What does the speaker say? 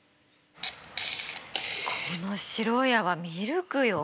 この白い泡ミルクよ。